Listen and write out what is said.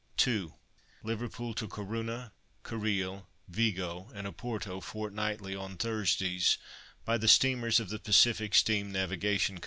2. Liverpool to Corunna, Carril, Vigo and Oporto, fortnightly, on Thursdays, by the steamers of the "Pacific Steam Navigation Co."